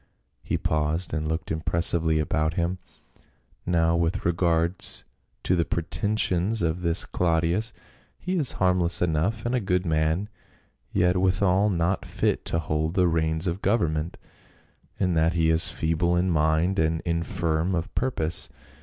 He paused and looked impressively about him. " Now with regard to the pretensions of this Claudius ; he is harmless enough, and a good man, yet withal not fit to hold the reins of government, in that he is feeble in mind and infirm of purpose.